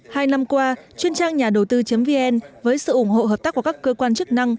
hai năm qua chuyên trang nhà đầu tư vn với sự ủng hộ hợp tác của các cơ quan chức năng